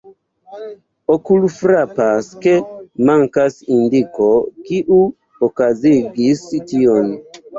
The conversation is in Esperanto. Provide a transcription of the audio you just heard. Okulfrapas, ke mankas indiko, kiu okazigis tion.